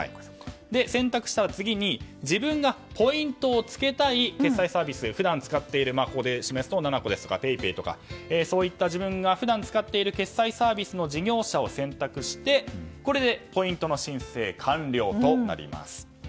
選択したら次に自分がポイントをつけたい決済サービス普段使っているｎａｎａｃｏですとかＰａｙＰａｙですとかそういった自分が普段使っている決済サービスの事業者を選択して、これでポイントの申請完了となります。